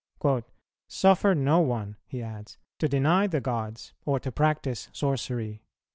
[234:4] "Suffer no one," he adds, "to deny the gods or to practise sorcery."